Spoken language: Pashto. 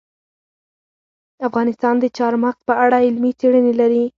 افغانستان د چار مغز په اړه علمي څېړنې لري.